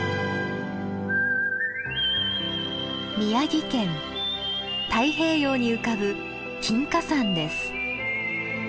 宮城県太平洋に浮かぶ金華山です。